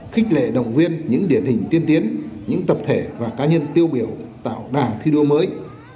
khích lệ động viên những điển hình tiên tiến những tập thể và cá nhân tiêu biểu tạo đà thi đua mới